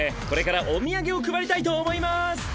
これからお土産を配りたいと思います！